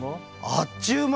あっちゅう間！